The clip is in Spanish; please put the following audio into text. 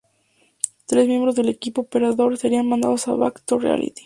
Tres miembros del equipo perdedor serían mandados a Back to Reality.